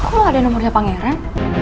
kok ada nomornya pangeran